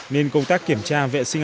nên công tác kiểm tra vệ sinh